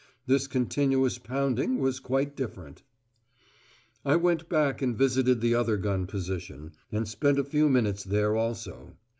This continuous pounding was quite different. I went back and visited the other gun position, and spent a few minutes there also.